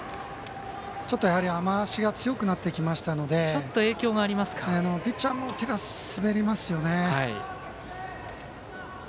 雨足が強くなってきましたのでピッチャーの手が滑りますよね。